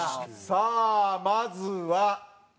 さあまずは。